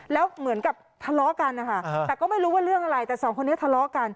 แล้วเหมือนกับทะเลาะกันนะคะแต่ก็ไม่รู้ว่าเรื่องอะไรแต่สองคนนี้ทะเลาะกัน